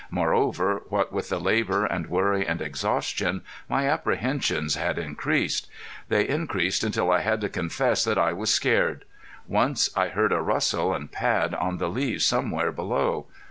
Moreover, what with the labor and worry and exhaustion, my apprehensions had increased. They increased until I had to confess that I was scared. Once I heard a rustle and pad on the leaves somewhere below.